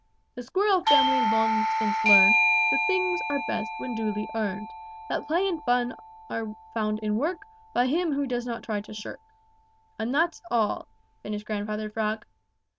"The Squirrel family long since learned That things are best when duly earned; That play and fun are found in work By him who does not try to shirk. "And that's all," finished Grandfather Frog.